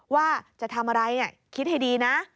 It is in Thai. ว่าจะทำอะไรคิดให้ดีนะ